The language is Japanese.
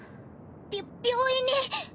びょ病院に。